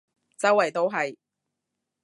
周圍都係